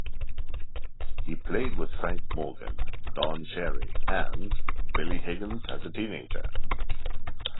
He played with Frank Morgan, Don Cherry, and Billy Higgins as a teenager.